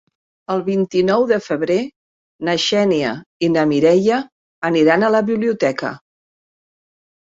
El vint-i-nou de febrer na Xènia i na Mireia aniran a la biblioteca.